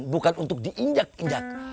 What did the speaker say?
bukan untuk diinjak injak